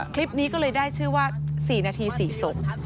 คลิปนี้ก็เลยได้ชื่อว่า๔นาที๔ศพ